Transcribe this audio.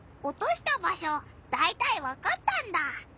おとした場しょだいたいわかったんだ。